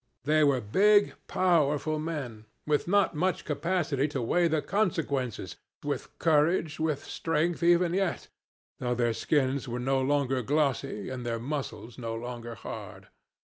They were big powerful men, with not much capacity to weigh the consequences, with courage, with strength, even yet, though their skins were no longer glossy and their muscles no longer hard.